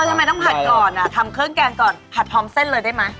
ทำไมต้องผัดก่อนทำเครื่องแกงก่อนผัดพร้อมเส้นเลยได้ไหม